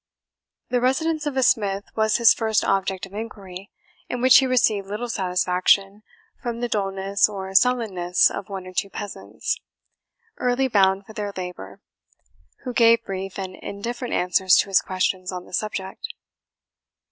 The residence of a smith was his first object of inquiry, in which he received little satisfaction from the dullness or sullenness of one or two peasants, early bound for their labour, who gave brief and indifferent answers to his questions on the subject.